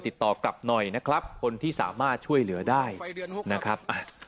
ติดต่อกลับหน่อยนะครับคนที่สามารถช่วยเหลือได้นะครับ